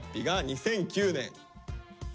２００９年！？